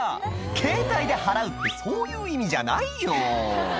ケータイで払うってそういう意味じゃないよ！